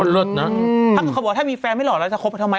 ถ้าเขาบอกถ้ามีแฟนไม่หล่อแล้วจะคบไปทำไม